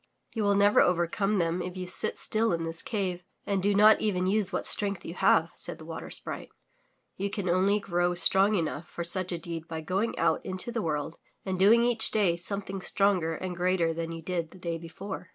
"You will never overcome them if you sit still in this cave and do not even use what strength you have," said the Water Sprite. ''You can only grow strong enough for such a deed by going out into the world and doing each day something stronger and greater than you did the day before."